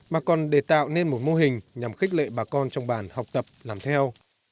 mà còn để tạo nên một mô hình nhằm khích lệ bà con trong bàn học tập làm theo